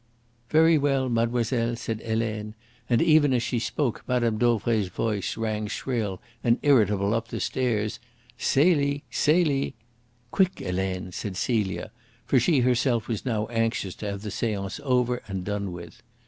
"Very well, mademoiselle," said Helene. And even as she spoke Mme. Dauvray's voice rang shrill and irritable up the stairs. "Celie! Celie!" "Quick, Helene," said Celia. For she herself was now anxious to have the seance over and done with.